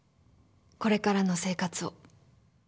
これからの生活を。